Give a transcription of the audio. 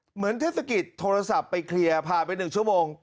เทศกิจโทรศัพท์ไปเคลียร์ผ่านไป๑ชั่วโมง